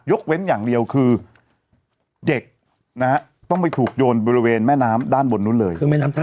เว้นอย่างเดียวคือเด็กนะฮะต้องไปถูกโยนบริเวณแม่น้ำด้านบนนู้นเลย